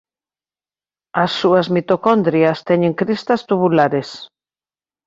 As súas mitocondrias teñen cristas tubulares.